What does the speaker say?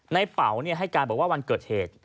เป๋าให้การบอกว่าวันเกิดเหตุ